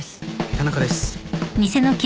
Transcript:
田中です。